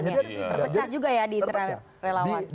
terpecah juga ya di internal relawan